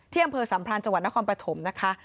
อำเภอสัมพรานจังหวัดนครปฐมนะคะ